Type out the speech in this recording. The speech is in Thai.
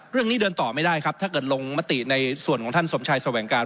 เรื่องนี้เดินต่อไม่ได้ครับถ้าเกิดลงมติในส่วนของท่านสมชายแสวงการ